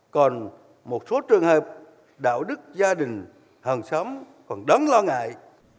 còn một số trường hợp đạo đức gia đình hàng xóm còn đáng lo ngại